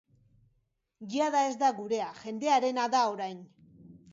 Jada ez da gurea, jendearena da orain.